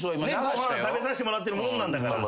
ご飯を食べさしてもらってるもんなんだから。